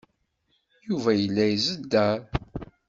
Yuba yella izedder.